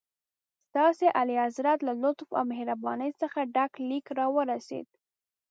ستاسي اعلیحضرت له لطف او مهربانۍ څخه ډک لیک راورسېد.